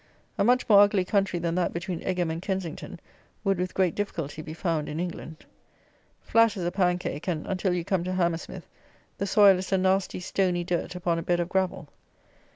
A much more ugly country than that between Egham and Kensington would with great difficulty be found in England. Flat as a pancake, and, until you come to Hammersmith, the soil is a nasty stony dirt upon a bed of gravel.